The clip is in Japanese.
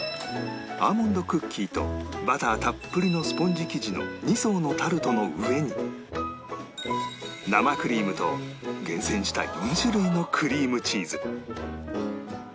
アーモンドクッキーとバターたっぷりのスポンジ生地の２層のタルトの上に生クリームと厳選した４種類のクリームチーズ